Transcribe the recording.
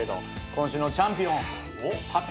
今週のチャンピオン発表